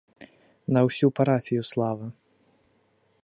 На ўсю парафію слава.